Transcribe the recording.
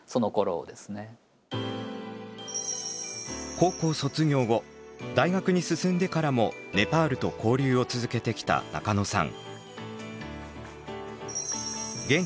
高校卒業後大学に進んでからもネパールと交流を続けてきた中野さん。